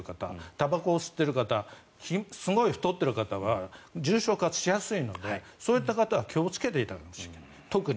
たばこを吸っている方すごい太ってる方は重症化しやすいのでそういった方は気をつけていただかなくてはいけない、特に。